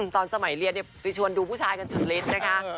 ตอนสมัยเรียนไปชวนดูผู้ชายกันสุดฤทธิ์นะคะ